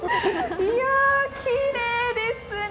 いや、きれいですね。